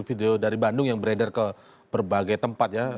video dari bandung yang beredar ke berbagai tempat ya